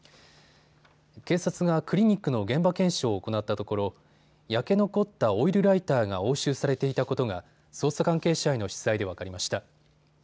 警察がクリニックの現場検証を行ったところ焼け残ったオイルライターが押収されていたことが捜査関係者への取材で分かりました。